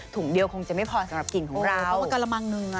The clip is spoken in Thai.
เดียวคงจะไม่พอสำหรับกลิ่นของเราเพราะมันกระมังหนึ่ง